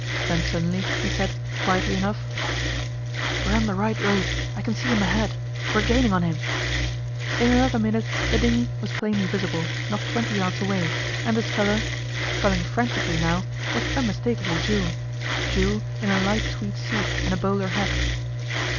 Then suddenly he said, quietly enough, 'We're on the right road; I can see him ahead. We're gaining on him.' In another minute the dinghy was plainly visible, not twenty yards away, and the sculler sculling frantically now was unmistakably Jules Jules in a light tweed suit and a bowler hat.